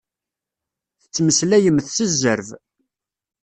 Tettmeslayemt s zzerb.